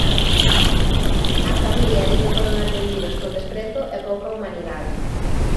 A familia di que foron atendidos con desprezo e pouca humanidade.